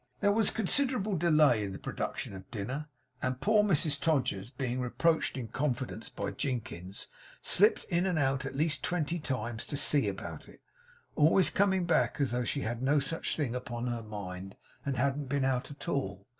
There was considerable delay in the production of dinner, and poor Mrs Todgers, being reproached in confidence by Jinkins, slipped in and out, at least twenty times to see about it; always coming back as though she had no such thing upon her mind, and hadn't been out at all.